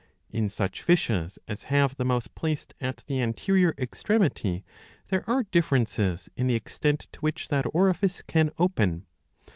In such fishes as have the mouth placed at the anterior extremity there are differences in the extent to which that orifice can open.